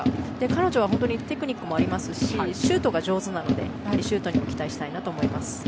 彼女は本当にテクニックもありますしシュートが上手なのでシュートにも期待したいなと思います。